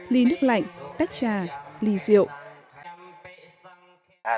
ly nước lạnh tách trà ly rượu